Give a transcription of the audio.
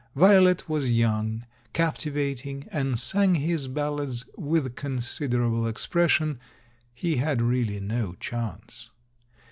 Violet was young, captivating, and sang his ballads with considerable expression — he had really no chance.